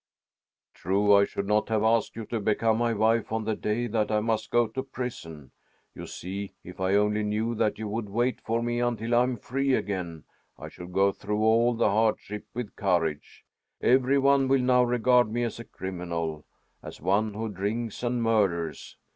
"True, I should not have asked you to become my wife on the day that I must go to prison. You see, if I only knew that you would wait for me until I'm free again, I should go through all the hardship with courage. Every one will now regard me as a criminal, as one who drinks and murders.